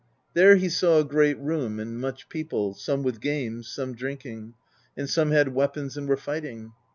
There he saw a great room and much people, some with games, some drinking; and some had weapons and were fighting.